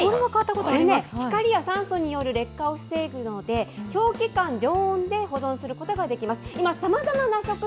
光や酸素による劣化を防ぐので、長期間、常温で保存することができます。